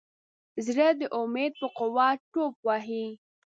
زړه د امید په قوت ټوپ وهي.